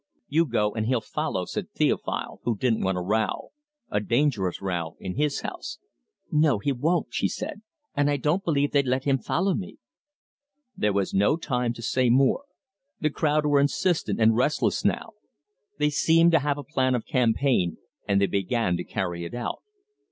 "You go, and he'll follow," said Theophile, who didn't want a row a dangerous row in his house. "No, he won't," she said; "and I don't believe they'd let him follow me." There was no time to say more. The crowd were insistent and restless now. They seemed to have a plan of campaign, and they began to carry it out.